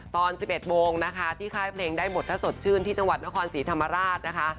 ตอน๑๑โมงนะคะที่ค่ายเพลงได้บทถ้าสดชื่นที่จังหวัดนครศรีธรรมราชนะคะ